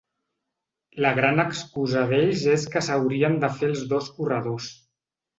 La gran excusa d’ells és que s’haurien de fer els dos corredors.